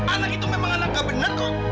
anak itu memang anak gak benar dong